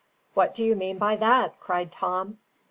"What do you mean by that?" cried Tom.